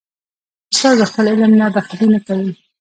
استاد د خپل علم نه بخیلي نه کوي.